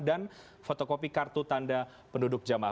dan fotokopi kartu tanda penduduk jemaah